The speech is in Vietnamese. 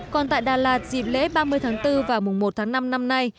còn tại đà lạt dịp lễ ba mươi tháng bốn và mùng một tháng năm năm nay